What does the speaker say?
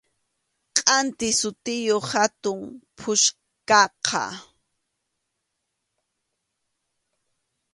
Kʼanti sutiyuq hatun puchkaqa.